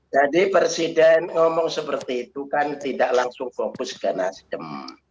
jadi presiden ngomong seperti itu kan tidak langsung fokus ke nasdem